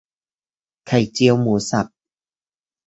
ไข่เจียวหมูสับ